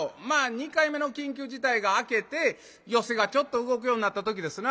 ２回目の緊急事態が明けて寄席がちょっと動くようになった時ですな。